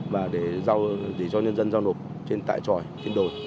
và để cho nhân dân giao nộp trên tại tròi trên đồi